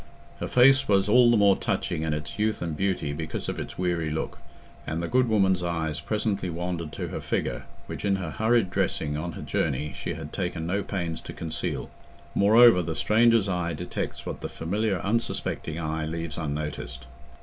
Her face was all the more touching in its youth and beauty because of its weary look, and the good woman's eyes presently wandered to her figure, which in her hurried dressing on her journey she had taken no pains to conceal; moreover, the stranger's eye detects what the familiar unsuspecting eye leaves unnoticed.